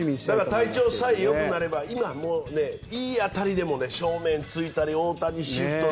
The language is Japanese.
体調さえよくなれば今、いい当たりでも正面を突いたり大谷シフト。